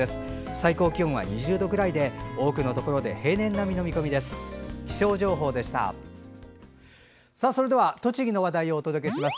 最高気温は２０度くらいで多くのところで平年並みの見込みです。